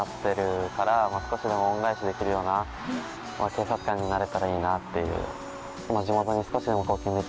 警察官になれたらいいなっていう。